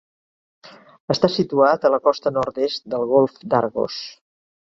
Està situat a la costa nord-est del golf d'Argos.